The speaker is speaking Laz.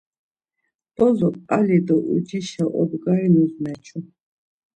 Bozok ali do ucişa obgarinus meçu.